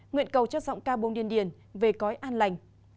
nguyện cầu cho giọng ca buông điên điền về cói an lành